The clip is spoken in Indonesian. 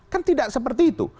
kan tidak seperti itu